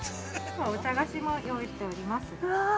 ◆お茶菓子も用意しております。